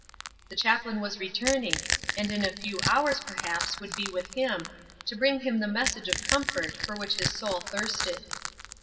The chaplain was returning, and in a few hours perhaps would be with him, to bring him the message of comfort for which his soul thirsted.